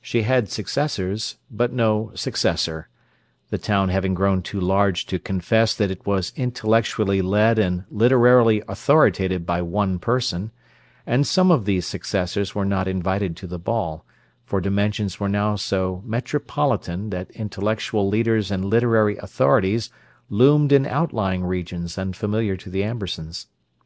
She had successors, but no successor; the town having grown too large to confess that it was intellectually led and literarily authoritated by one person; and some of these successors were not invited to the ball, for dimensions were now so metropolitan that intellectual leaders and literary authorities loomed in outlying regions unfamiliar to the Ambersons.